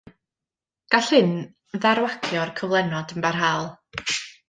Gall hyn ddarwagio'r cyflenwad yn barhaol.